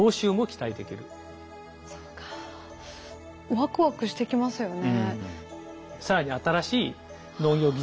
ワクワクしてきますよね。